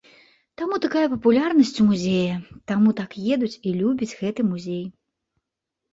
Таму такая папулярнасць у музея, таму так едуць і любяць гэты музей.